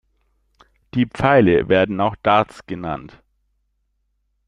Die Pfeile werden auch Darts genannt.